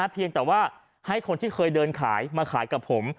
เพียงแต่ว่าให้คนที่เคยเดินขายมาขายกับผม